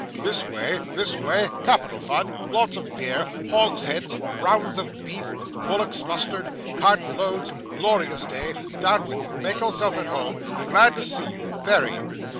'This way this way capital fun lots of beer hogsheads; rounds of beef bullocks; mustard cart loads; glorious day down with you make yourself at home glad to see you very.